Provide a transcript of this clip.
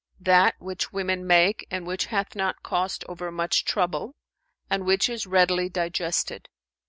"That which women make and which hath not cost overmuch trouble and which is readily digested.